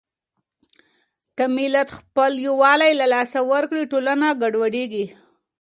که ملت خپل يووالی له لاسه ورکړي، ټولنه ګډوډېږي.